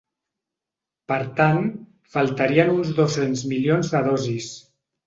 Per tant, faltarien uns dos-cents milions de dosis.